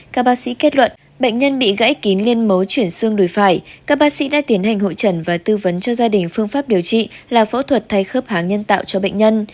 các bác sĩ kết luận bệnh nhân bị gãy kín liên mấu chuyển xương đùi phải các bác sĩ đã tiến hành hội trần và tư vấn cho gia đình phương pháp điều trị là phẫu thuật thay khớp háng nhân tạo cho bệnh nhân